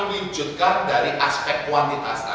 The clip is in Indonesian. mewujudkan dari aspek kuantitas